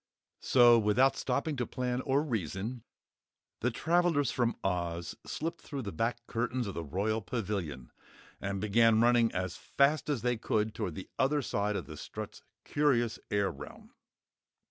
So, without stopping to plan or reason, the travellers from Oz slipped through the back curtains of the Royal Pavilion and began running as fast as they could toward the other side of Strut's curious air realm.